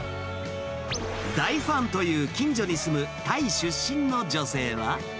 大ファンという、近所に住むタイ出身の女性は。